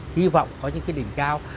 hy vọng có những cái đỉnh cao